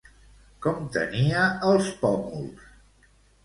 Com tenia els pòmuls?